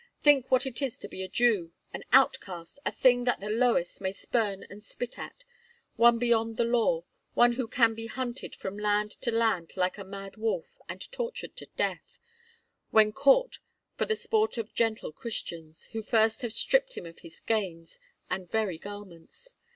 "Think what it is to be a Jew—an outcast, a thing that the lowest may spurn and spit at, one beyond the law, one who can be hunted from land to land like a mad wolf, and tortured to death, when caught, for the sport of gentle Christians, who first have stripped him of his gains and very garments.